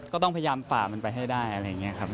ก็ต้องพยายามฝ่ามันไปให้ได้อะไรอย่างนี้ครับ